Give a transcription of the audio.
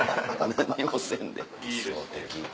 「何にもせんで」。